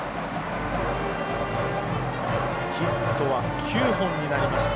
ヒットは９本になりました。